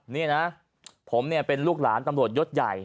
นี่นะผมเนี่ยเป็นลูกหลานตำรวจยศใหญ่